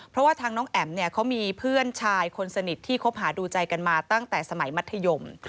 เพราะว่าทางน้องแอ๋มเนี่ยเขามีเพื่อนชายคนสนิทที่คบหาดูใจกันมาตั้งแต่สมัยมัธยม